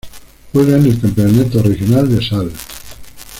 Juega en el campeonato regional de Sal.